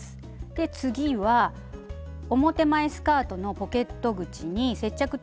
で次は表前スカートのポケット口に接着テープ。